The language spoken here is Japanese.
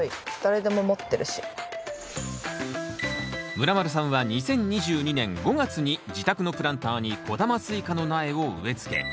ムラまるさんは２０２２年５月に自宅のプランターに小玉スイカの苗を植え付け。